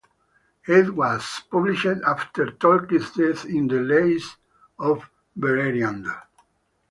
It was published after Tolkien's death in "The Lays of Beleriand".